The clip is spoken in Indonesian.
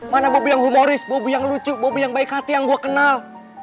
mana bob yang humoris bob yang lucu bob yang baik hati yang gue kenal